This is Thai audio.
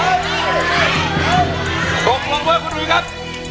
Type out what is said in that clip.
ตรวจลงเปิดพอหนุ่ยครับ